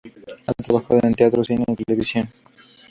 Ha trabajado en teatro, cine y televisión.